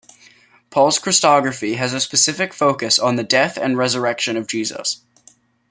Paul's Christology has a specific focus on the death and resurrection of Jesus.